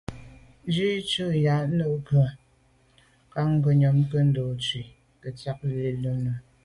Tshù ju z’a na’ ngù kà ngùnyàm nke ndo’ ntshu i ntswe’ tsha’ yi là num lon.